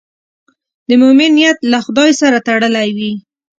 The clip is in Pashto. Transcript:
د مؤمن نیت له خدای سره تړلی وي.